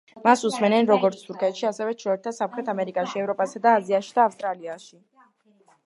მას უსმენენ როგორც თურქეთში, ასევე ჩრდილოეთ და სამხრეთ ამერიკაში, ევროპასა და აზიაში და ავსტრალიაში.